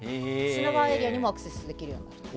品川エリアにもアクセスできるようになる。